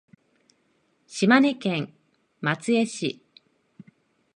島根県松江市